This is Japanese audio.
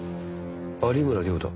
有村亮だ。